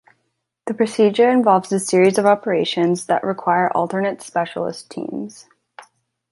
The procedure involves a series of operations that require alternate specialist teams.